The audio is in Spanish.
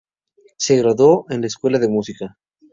Se graduó en la escuela de música.